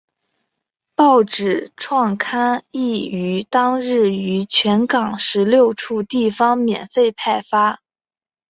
报纸创刊号亦于当日于全港十六处地方免费派发。